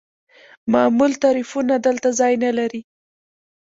معمول تعریفونه دلته ځای نلري.